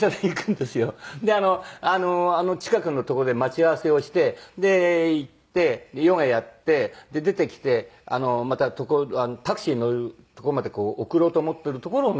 で近くのとこで待ち合わせをして行ってヨガやって出てきてまたタクシーに乗るとこまで送ろうと思ってるところをね